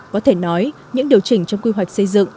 có thể nói những điều chỉnh trong quy hoạch xây dựng